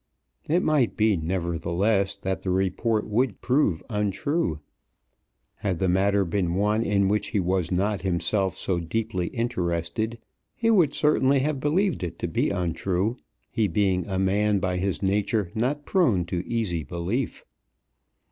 It might be, nevertheless, that the report would prove untrue. Had the matter been one in which he was not himself so deeply interested, he would certainly have believed it to be untrue, he being a man by his nature not prone to easy belief.